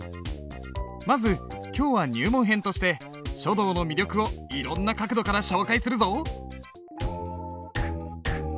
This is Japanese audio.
まず今日は入門編として書道の魅力をいろんな角度から紹介するぞ。